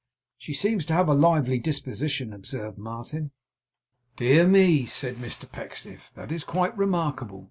'She seems to have a lively disposition,' observed Martin. 'Dear me!' said Mr Pecksniff. 'That is quite remarkable.